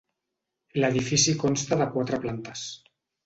L'edifici consta de quatre plantes.